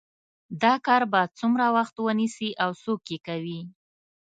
دا کار به څومره وخت ونیسي او څوک یې کوي